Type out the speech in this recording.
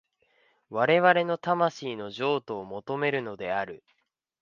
我々の魂の譲渡を求めるのである。